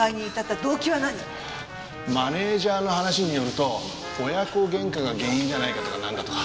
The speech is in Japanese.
マネジャーの話によると親子喧嘩が原因じゃないかとかなんだとか。